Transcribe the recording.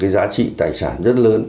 giá trị tài sản rất lớn